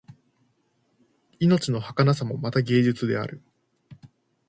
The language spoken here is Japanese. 命のはかなさもまた芸術である